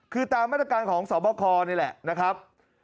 คือตามมาตรการของสอบคอนี่แหละนะครับ